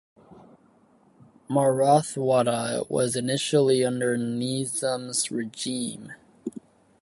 Marathwada was initially under Nizam's regime.